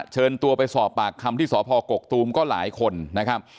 เชิญตัวไปสอบปากคำที่สพกกตูมก็หลายคนนะครับ